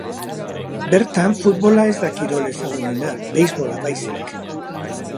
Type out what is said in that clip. Bertan, futbola ez da kirol ezagunena, beisbola baizik.